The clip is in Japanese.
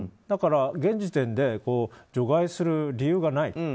だから現時点で除外する理由がない。